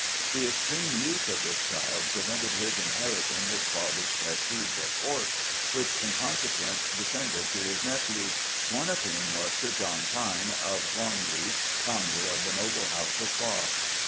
The extreme youth of this child prevented his inheriting his father's prestige at Court, which in consequence descended to his nephews, one of whom was Sir John Thynne of Longleat, founder of the noble house of Bath."